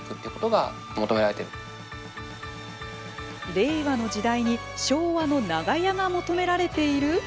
令和の時代に昭和の長屋が求められている。